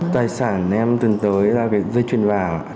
tài sản em từng tới ra dây chuyền vào